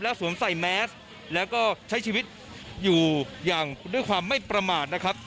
สวมใส่แมสแล้วก็ใช้ชีวิตอยู่อย่างด้วยความไม่ประมาทนะครับ